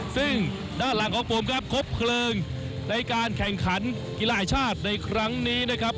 ซึ่งด้านหลังของผมครับครบเพลิงในการแข่งขันกีฬาแห่งชาติในครั้งนี้นะครับ